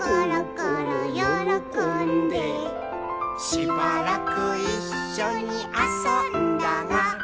「しばらくいっしょにあそんだが」